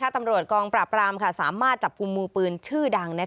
ตำรวจกองปราบรามสามารถจับกลุ่มมือปืนชื่อดัง